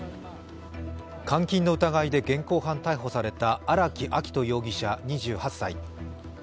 監禁の疑いで現行犯逮捕された荒木秋冬容疑者２８歳。